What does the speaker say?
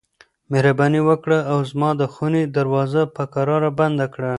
مهرباني وکړه او زما د خونې دروازه په کراره بنده کړه.